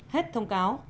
hết thông cáo